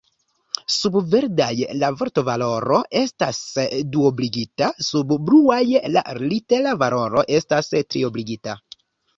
Sub verdaj la vortvaloro estas duobligita, sub bluaj la litera valoro estas triobligita.